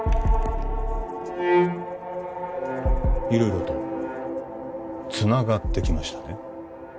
色々とつながってきましたね